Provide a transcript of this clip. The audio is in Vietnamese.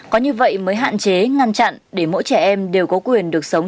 có như vậy mới hạn chế ngăn chặn để mỗi trẻ em đều có quyền được sống